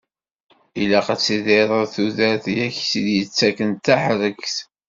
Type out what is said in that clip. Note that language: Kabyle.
Ilaq ad tidireḍ tudert, i ak-id-yettakken tahregt.